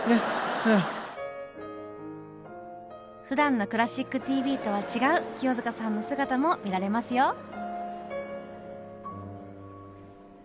ふだんの「クラシックＴＶ」とは違う清塚さんの姿も見られますよ。